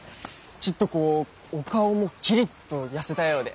ちっとこうお顔もキリッと痩せたようで。